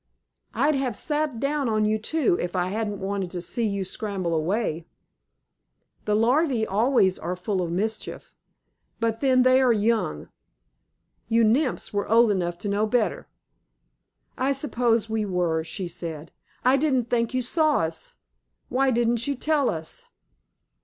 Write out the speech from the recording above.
I'd have sat down on you, too, if I hadn't wanted to see you scramble away. The larvæ always are full of mischief, but then they are young. You Nymphs were old enough to know better." "I suppose we were," she said. "I didn't think you saw us. Why didn't you tell us?"